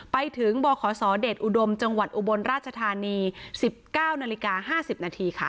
ไปถึงบ่อขอสอเด็ดอุดมจังหวัดอุบลราชธานี๑๙น๕๐น